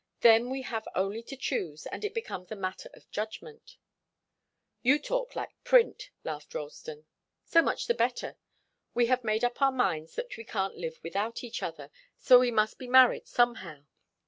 Then we have only to choose, and it becomes a matter of judgment." "You talk like print," laughed Ralston. "So much the better. We have made up our minds that we can't live without each other, so we must be married somehow.